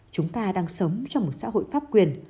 chúng ta đang sống trong một xã hội pháp quyền